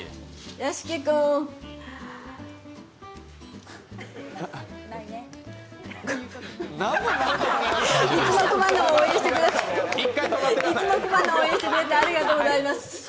屋敷くーん、いつも熊野応援してくれてありがとうございます。